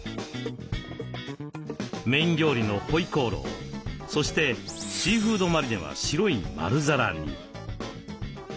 メイン料理のホイコーローそしてシーフードマリネは白い丸皿に。